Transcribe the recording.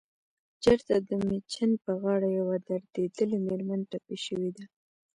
چرته دمیچن په غاړه يوه دردېدلې مېرمن ټپه شوې ده